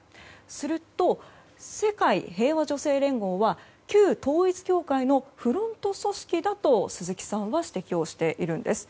すると、世界平和女性連合は旧統一教会のフロント組織だと鈴木さんは言っているんです。